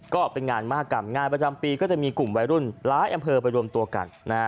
ก็เป็นงานมหากรรมงานประจำปีก็จะมีกลุ่มวัยรุ่นหลายอำเภอไปรวมตัวกัน